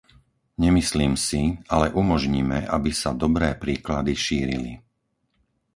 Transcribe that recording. Nemyslím si, ale umožnime, aby sa dobré príklady šírili.